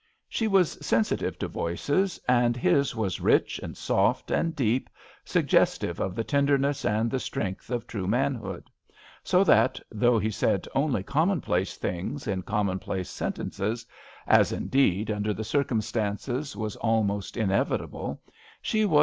She was sensitive to voices, and his was rich and soft and deep, suggestive of the ten derness and the strength of true manhood ; so that, though he said only commonplace things in commonplace sentences, as, in deed, under the circumstances, was almost inevitable, she was A RAINY DAY.